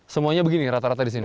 semuanya begini rata rata di sini